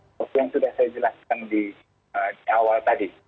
seperti yang sudah saya jelaskan di awal tadi